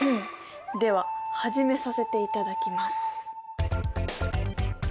では始めさせていただきます。